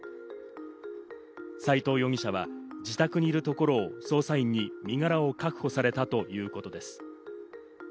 斎藤容疑者は自宅にいるところを捜査員に身柄を確保されたということです。